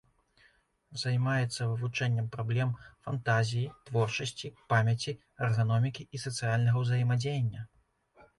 Займаецца вывучэннем праблем фантазіі, творчасці, памяці, эрганомікі і сацыяльнага ўзаемадзеяння.